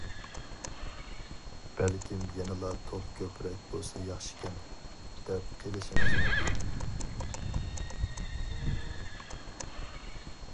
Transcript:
بەلكىم يەنىلا توپ كۆپرەك بولسا ياخشىكەن، دەپ قېلىشىڭىز مۇمكىن.